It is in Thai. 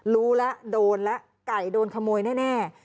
รู้แล้วโดนแล้วไก่โดนขโมยแน่